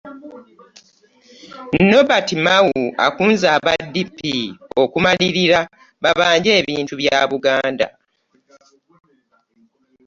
Norbert Mao akunze aba DP okumalirira babanje ebintu bya Buganda